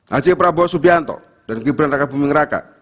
hasil prabowo subianto dan gibran raka buming raka